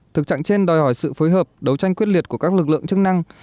thực trạng trên đòi hỏi sự phối hợp đấu tranh quyết liệt của các lực lượng chức năng